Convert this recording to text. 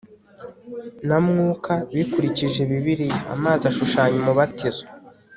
na Mwuka bikurikije Bibiliya Amazi ashushanya umubatizo